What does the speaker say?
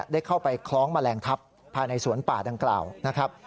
ได้เข้าไปคล้องแมลงทัพภายในสวนป่าดังกล่าวนะครับ